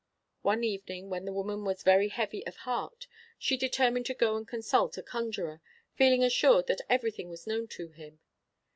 One evening when the woman was very heavy of heart, she determined to go and consult a conjuror, feeling assured that everything was known to him....